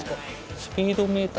スピードメーター。